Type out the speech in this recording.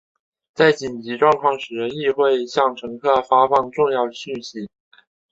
在紧急状况时亦会向乘客发放重要讯息。